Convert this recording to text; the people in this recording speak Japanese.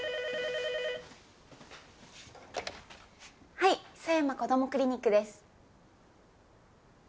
はいさやま・こどもクリニックです。